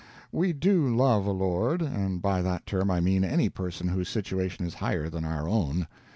We do love a lord and by that term I mean any person whose situation is higher than our own.